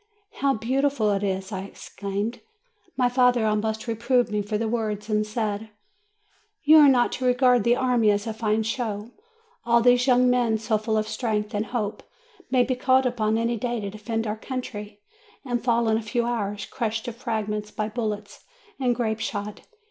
"How beautiful it is!" I exclaimed. My father almost reproved me for the words, and said : "You are not to regard the army as a fine show. All these young men, so full of strength and hope, may be called upon any day to defend our country, and fall in a few hours, crushed to fragments by bullets and grape shot.